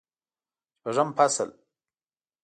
شپږم فصل